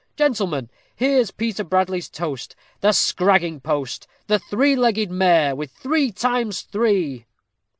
Gentlemen, here's Peter Bradley's toast: 'The scragging post the three legged mare,' with three times three."